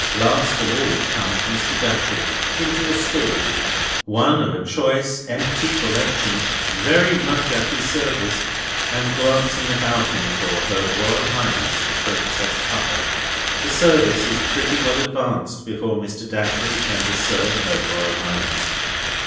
Last of all comes Mr. Datchery into a stall, one of a choice empty collection very much at his service, and glancing about him for Her Royal Highness the Princess Puffer. The service is pretty well advanced before Mr. Datchery can discern Her Royal Highness.